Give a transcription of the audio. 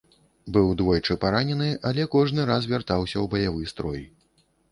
Быў двойчы паранены, але кожны раз вяртаўся ў баявы строй.